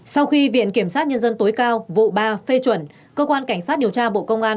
sau khi viện kiểm sát nhân dân tối cao vụ ba phê chuẩn cơ quan cảnh sát điều tra bộ công an